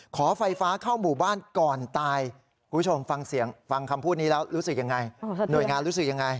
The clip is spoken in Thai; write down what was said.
ขอไฟฟ้าเข้าหมู่บ้านก่อนตายคุณผู้ชมฟังเสียงฟังคำพูดนี้แล้วรู้สึกยังไงหน่วยงานรู้สึกยังไง